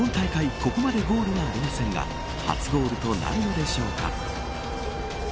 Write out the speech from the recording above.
ここまでゴールはありませんが初ゴールとなるのでしょうか。